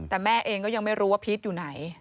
แต่แม่เองก็ยังไม่รู้ว่าพีชอยู่ไหน